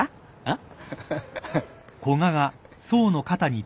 あっ？